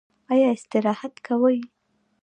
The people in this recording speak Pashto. ایا استراحت کوئ؟